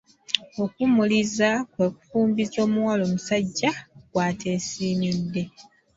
Okuwumiriza kwe kufumbiza omuwala omusajja gw’ateesimidde.